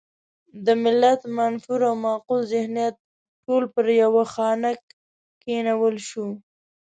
د ملت منفور او مقبول ذهنیت ټول پر يوه خانک کېنول شو.